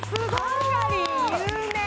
ハンガリー有名！